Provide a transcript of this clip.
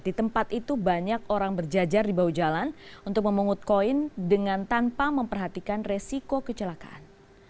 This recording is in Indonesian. di tempat itu banyak orang berjajar di bawah jalan untuk memungut koin dengan tanpa memperhatikan resiko kecelakaan